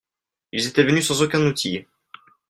Ils étaient venus sans aucun outil.